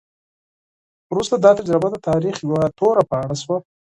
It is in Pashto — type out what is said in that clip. وروسته دا تجربه د تاریخ یوه توره پاڼه شوه.